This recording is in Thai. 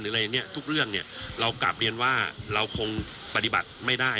อะไรเนี่ยทุกเรื่องเนี่ยเรากลับเรียนว่าเราคงปฏิบัติไม่ได้